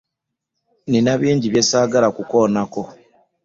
Nina bingi bye ssaagala kukoonako.